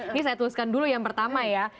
ini saya tuliskan dulu yang pertama ya